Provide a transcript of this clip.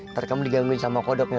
ntar kamu digangguin sama kodoknya